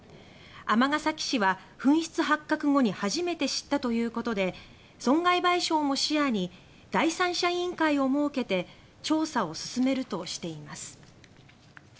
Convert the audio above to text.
尼崎市は紛失発覚後に初めて知ったということで損害賠償も視野に第三者委員会を設けて調査を進めるとしています。